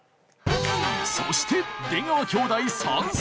そして出川兄弟参戦！